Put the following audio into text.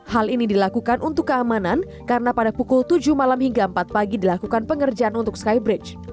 hal ini dilakukan untuk keamanan karena pada pukul tujuh malam hingga empat pagi dilakukan pengerjaan untuk skybridge